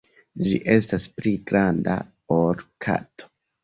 Ĝi estas pli granda ol kato.